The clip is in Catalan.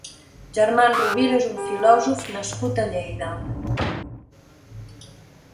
German Rovira és un filòsof nascut a Lleida.